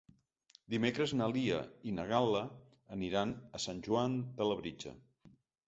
Dimecres na Lia i na Gal·la aniran a Sant Joan de Labritja.